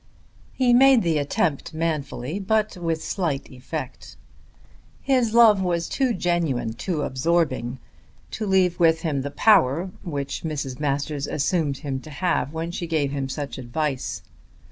He made the attempt manfully, but with slight effect. His love was too genuine, too absorbing, to leave with him the power which Mrs. Masters assumed him to have when she gave him such advice.